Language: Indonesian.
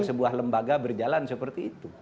sebuah lembaga berjalan seperti itu